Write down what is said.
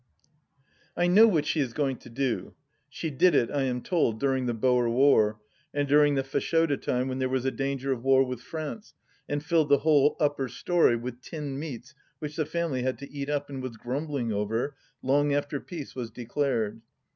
I know what she is going to do. She did it, I am told, during the Boer War, and during the Fashoda time when there was a danger of war with France, and filled the whole upper storey with tinned meats which the family had to eat up and was grumbling over, long after peace was declared.